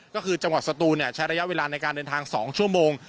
ก็คือจังหวัดสตูนใช้ระยะเวลาในการเดินทาง๒ชั่วโมง